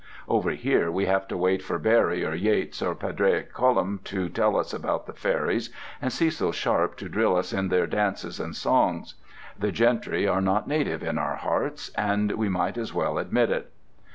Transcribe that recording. Over here we have to wait for Barrie or Yeats or Padraic Colum to tell us about the fairies, and Cecil Sharp to drill us in their dances and songs. The gentry are not native in our hearts, and we might as well admit it.